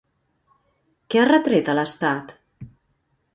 Què ha retret a l'Estat?